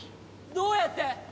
どうやって？